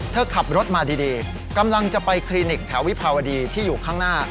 เธอขับรถมาดีกำลังจะไปคลินิกแถววิภาวดีที่อยู่ข้างหน้า